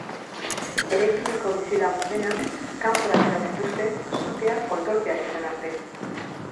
Eraikineko bizilagun denak kanpora atera zituzten, sutea kontrolpean izan arte.